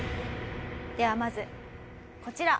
ではまずこちら。